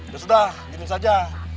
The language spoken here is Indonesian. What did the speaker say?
ya sudah gini saja